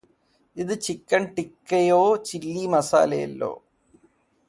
ഇത് ചിക്കൻ ടികിടാക്കയോചില്ലി മസാലയോയല്ലാ